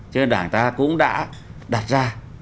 chứ đảng ta cũng đã đặt ra